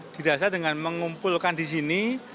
didasa dengan mengumpulkan di sini